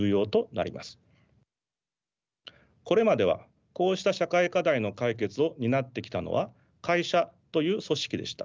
これまではこうした社会課題の解決を担ってきたのは会社という組織でした。